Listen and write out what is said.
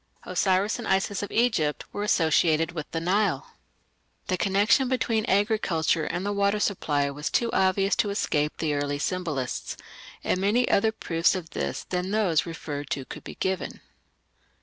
Osiris and Isis of Egypt were associated with the Nile. The connection between agriculture and the water supply was too obvious to escape the early symbolists, and many other proofs of this than those referred to could be given.